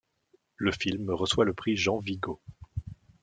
Le film reçoit le prix Jean-Vigo.